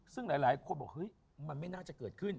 ซึ่งหลายคนบอกเฮ้ยมันไม่น่าจะเกิดขึ้น